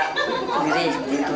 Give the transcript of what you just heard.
jadi seperti itu